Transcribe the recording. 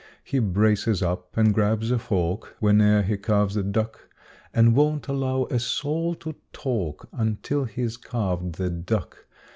He braces up and grabs a fork Whene'er he carves a duck And won't allow a soul to talk Until he's carved the duck.